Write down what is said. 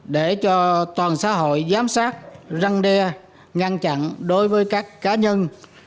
để cho toàn xã hội giám sát răng đe ngăn chặn đối với các cá nhân